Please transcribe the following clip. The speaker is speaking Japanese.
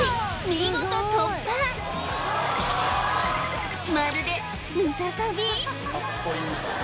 見事突破まるでムササビ？